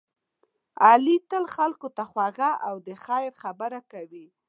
علی تل خلکو ته خوږه او خیر خبره کوي.